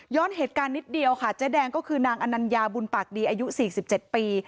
ย้อนเหตุการณ์นิดเดียวค่ะเจ๊แดงก็คือนางอนัญาบุญปากดีอายุสี่สิบเจ็ดปี